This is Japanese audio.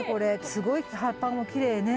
すごい葉っぱもきれいね。